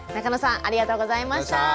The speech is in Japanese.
中野さんありがとうございました。